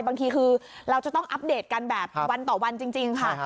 บางทีคือเราจะต้องอัปเดตกันแบบวันต่อวันจริงค่ะ